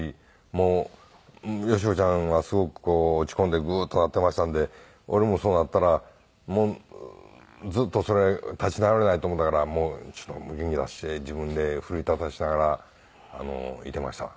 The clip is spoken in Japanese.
もう佳子ちゃんがすごく落ち込んでグーッとなっていましたんで俺もそうなったらずっとそれ立ち直れないと思ったからちょっと元気出して自分で奮い立たせながらいてました。